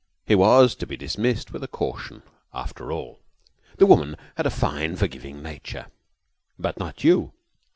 He was to be dismissed with a caution, after all. The woman had a fine, forgiving nature. "But not you."